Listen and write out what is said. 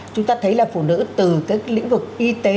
chúng ta thấy là phụ nữ từ các lĩnh vực y tế